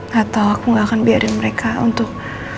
gak tau aku gak akan biarin mereka untuk